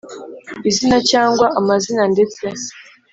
Izina cyangwa amazina ndetse